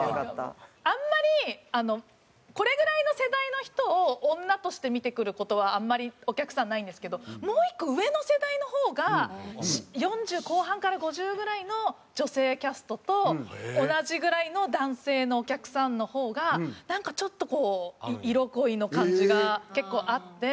あんまりこれぐらいの世代の人を女として見てくる事はあんまりお客さんないんですけどもう１個上の世代の方が４０後半から５０ぐらいの女性キャストと同じぐらいの男性のお客さんの方がなんかちょっとこう色恋の感じが結構あって。